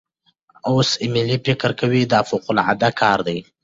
اوس ایمیلی فکر کوي دا فوقالعاده کار دی.